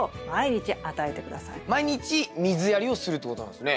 毎日水やりをするってことなんですね。